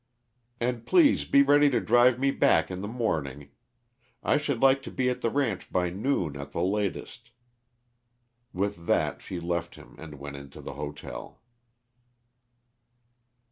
"And please be ready to drive me back in the morning. I should like to be at the ranch by noon, at the latest." With that she left him and went into the hotel.